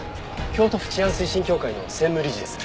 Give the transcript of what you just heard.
京都府治安推進協会の専務理事です。